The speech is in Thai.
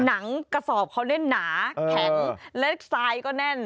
หนังกระสอบเขาเล่นหนาแข็งและทรายก็แน่น